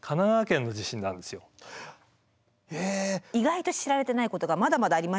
意外と知られてないことがまだまだありまして。